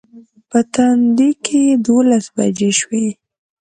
په تندي کې دولس بجې شوې.